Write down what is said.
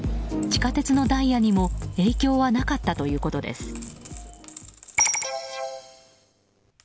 地下鉄のダイヤにも影響はなかったということです。